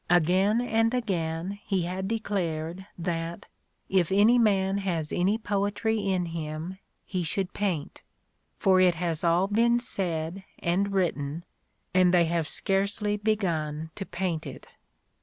Again and again he had declared that *'if any man has any poetry in him, he should paint : for it has all been said and written, and they have scarcely begun to paint it."